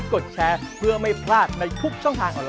ตัวมานุ่ม